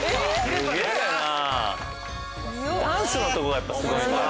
ダンスのとこがやっぱすごい。